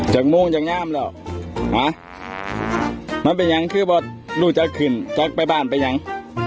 จังมุ่งจังงามเหรอมามันเป็นยังคือบอสลูกจะขึ้นจังไปบ้านเป็นยัง